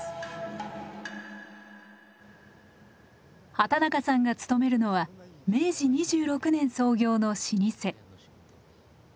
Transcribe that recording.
畠中さんが勤めるのは明治２６年創業の老舗。